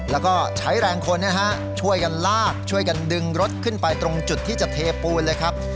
แล้วก็ใช้แรงคนช่วยกันลากช่วยกันดึงรถขึ้นไปตรงจุดที่จะเทปูนเลยครับ